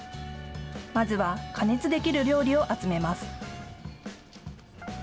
まずは加熱できる料理を集めます。